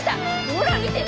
ほら見て！